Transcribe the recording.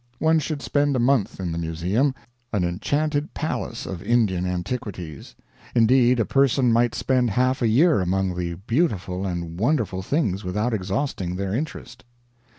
One should spend a month in the museum, an enchanted palace of Indian antiquities. Indeed, a person might spend half a year among the beautiful and wonderful things without exhausting their interest.